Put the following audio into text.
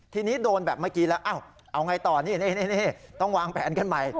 ทีนี้โดนแบบเมื่อกี้แล้วเอาไงต่อนี่ต้องวางแผนกันใหม่